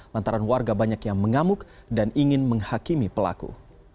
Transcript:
lantaran warga banyak yang mengamuk dan ingin menghakimi pelaku